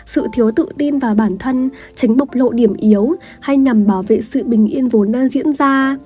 sự thiếu tự tin vào bản thân tránh bộc lộ điểm yếu hay nhằm bảo vệ sự bình yên vốn đang diễn ra